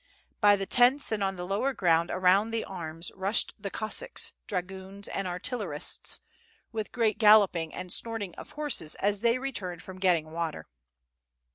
By the tents and on the lower ground around the arms rushed the Cossacks, dragoons, and artillerists, with great galloping and snorting of horses as they returned from getting water.